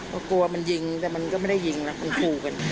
ก็กลัวมันยิงแต่มันก็ไม่ได้ยิงนะมันขู่กัน